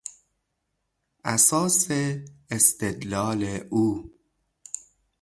اساس استدلال او